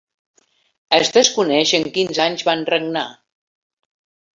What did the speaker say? Es desconeix en quins anys van regnar.